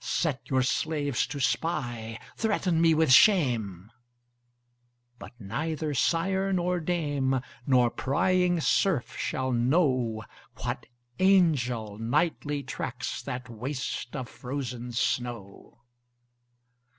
Set your slaves to spy; threaten me with shame: But neither sire nor dame, nor prying serf shall know, What angel nightly tracks that waste of frozen snow.